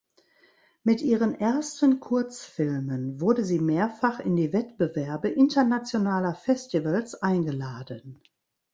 Mit ihren ersten Kurzfilmen wurde sie mehrfach in die Wettbewerbe internationaler Festivals eingeladen.